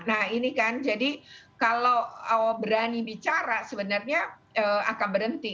nah ini kan jadi kalau berani bicara sebenarnya akan berhenti